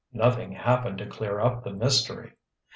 Nothing happened to clear up the mystery.